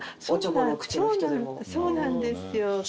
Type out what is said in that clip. そうなんですよ。